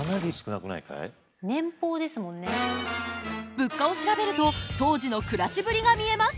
物価を調べると当時の暮らしぶりが見えます。